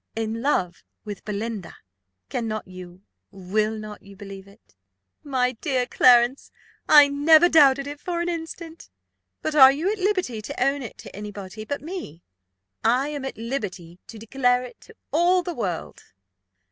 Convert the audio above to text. "In love with Belinda! Cannot you, will not you believe it?" "My dear Clarence, I never doubted it for an instant. But are you at liberty to own it to any body but me?" "I am at liberty to declare it to all the world."